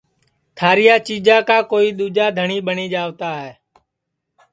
تھاریا چیجا کا کوئی دؔوجا دھٹؔی ٻٹؔی جاوت ہے